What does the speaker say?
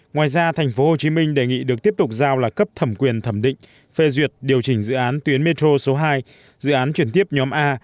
ngoài ra tp hcm đề nghị được tiếp tục giao là cấp thẩm quyền thẩm định phê duyệt điều chỉnh dự án tuyến metro số hai dự án chuyển tiếp nhóm a